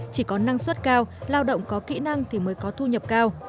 chỉ có năng suất cao lao động có kỹ năng thì mới có thu nhập cao